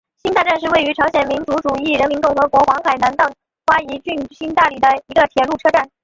新大站是位于朝鲜民主主义人民共和国黄海南道瓜饴郡新大里的一个铁路车站。